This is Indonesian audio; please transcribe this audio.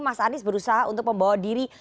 mas anies berusaha untuk membawa diri